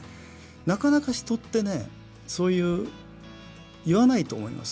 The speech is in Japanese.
なかなか人ってねそういう言わないと思います。